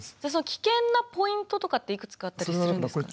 危険なポイントとかっていくつかあったりするんですか？